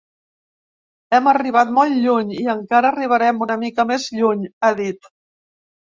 Hem arribat molt lluny i encara arribarem una mica més lluny, ha dit.